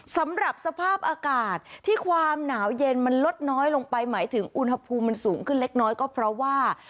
สำหรับสภาพอากาศที่ความหนาวเย็นมันลดน้อยลงไปหมายถึงอุณหภูมิมันสูงขึ้นเล็กน้อยก็เพราะว่า